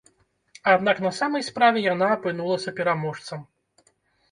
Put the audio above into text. Аднак на самай справе яна апынулася пераможцам.